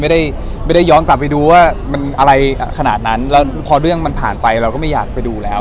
ไม่ได้ไม่ได้ย้อนกลับไปดูว่ามันอะไรขนาดนั้นแล้วพอเรื่องมันผ่านไปเราก็ไม่อยากไปดูแล้ว